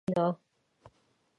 やっぱり主人公だからかっこいいな